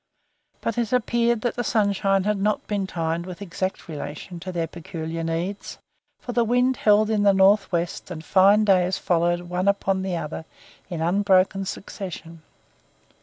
But it appeared that the sunshine had not been timed with exact relation to their peculiar needs, for the wind held in the north west and fine days followed one upon the other in unbroken succession.